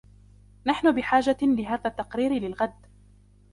نحن بحاجة لهذا التقرير للغد